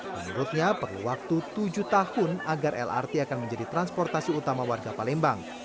menurutnya perlu waktu tujuh tahun agar lrt akan menjadi transportasi utama warga palembang